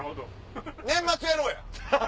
年末やろうや！